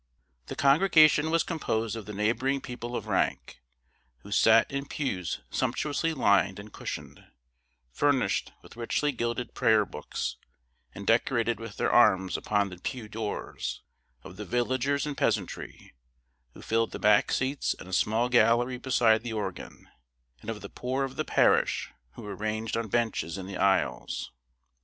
The congregation was composed of the neighboring people of rank, who sat in pews sumptuously lined and cushioned, furnished with richly gilded prayer books, and decorated with their arms upon the pew doors; of the villagers and peasantry, who filled the back seats and a small gallery beside the organ; and of the poor of the parish, who were ranged on benches in the aisles.